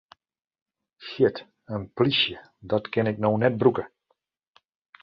Shit, in plysje, dat kin ik no net brûke!